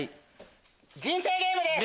人生ゲームです！